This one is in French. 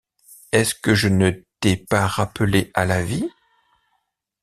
Est-ce que je ne t’ai pas rappelé à la vie?